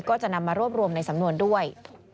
ก็จะนำมารวบรวมในสำนวนด้วย